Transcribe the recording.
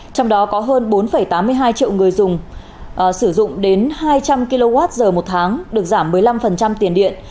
trong đó có hơn bốn tám mươi hai triệu người dùng sử dụng đến hai trăm linh kwh một tháng được giảm một mươi năm tiền điện